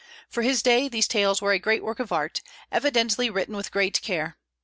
For his day these tales were a great work of art, evidently written with great care.